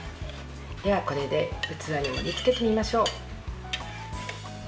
では、これで器に盛りつけてみましょう。